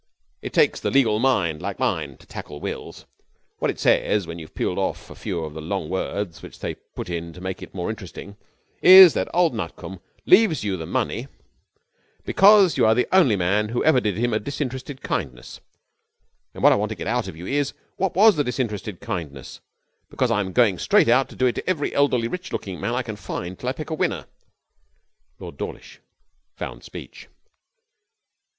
It takes the legal mind, like mine, to tackle wills. What it says, when you've peeled off a few of the long words which they put in to make it more interesting, is that old Nutcombe leaves you the money because you are the only man who ever did him a disinterested kindness and what I want to get out of you is, what was the disinterested kindness? Because I'm going straight out to do it to every elderly, rich looking man I can find till I pick a winner.' Lord Dawlish found speech.